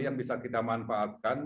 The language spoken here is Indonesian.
yang bisa kita manfaatkan